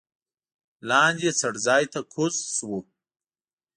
لاندې څړځای ته کوز شوو.